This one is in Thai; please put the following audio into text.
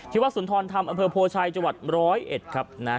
ที่วัดสุนทรรรภ์ธรรมอเผอโพลชัยจังหวัดมร้อยเอ็ดครับน่า